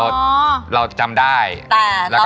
แต่น้องไม่ยอมค่ะ